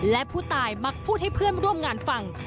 และผู้ตายมักพูดให้เพื่อนร่วมงานฟัง